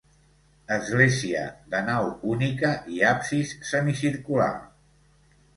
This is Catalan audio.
Església de nau única i absis semicircular.